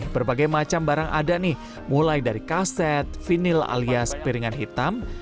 berbagai macam barang ada nih mulai dari kaset vinil alias piringan hitam